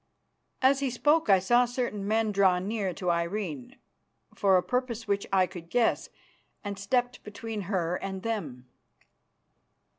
As he spoke I saw certain men draw near to Irene for a purpose which I could guess, and stepped between her and them.